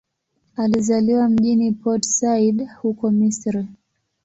Alizaliwa mjini Port Said, huko Misri.